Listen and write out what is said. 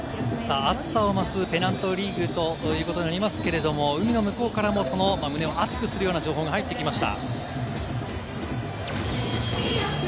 熱さを増すペナントリーグということになりますけれど、海の向こうからも胸を熱くするような情報が入ってきました。